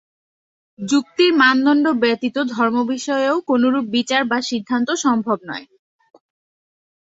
যুক্তির মানদণ্ড ব্যতীত ধর্মবিষয়েও কোনরূপ বিচার বা সিদ্ধান্ত সম্ভব নয়।